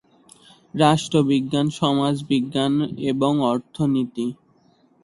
রাষ্ট্রবিজ্ঞান, সমাজবিজ্ঞান এবং অর্থনীতি।